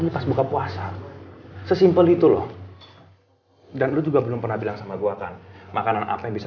pas buka puasa sesimpel itu lo dan lu juga belum pernah bilang sama gue kan makanan apa yang bisa